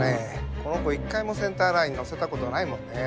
この子一回もセンターラインに乗せたことないもんねぇ。